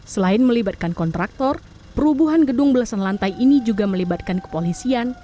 selain melibatkan kontraktor perubuhan gedung belasan lantai ini juga melibatkan kepolisian